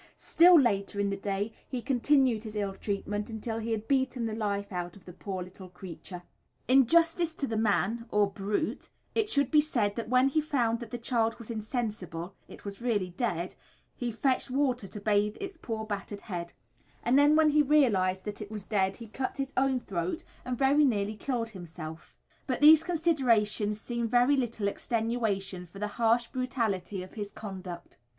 Still later in the day he continued his ill treatment until he had beaten the life out of the poor little creature. In justice to the man or brute it should be said that when he found that the child was insensible (it was really dead), he fetched water to bathe its poor battered head; and when he realised that it was dead he cut his own throat and very nearly killed himself but these considerations seem very little extenuation for the harsh brutality of his conduct.